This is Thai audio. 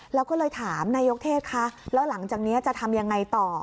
แล้วก็เลยถามนายกเทศคะแล้วหลังจากนี้จะทำยังไงต่อ